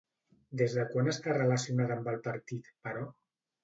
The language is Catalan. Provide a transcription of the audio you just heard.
Des de quan està relacionada amb el partit, però?